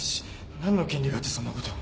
何の権利があってそんなことを！？